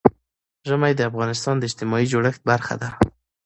ژمی د افغانستان د اجتماعي جوړښت برخه ده.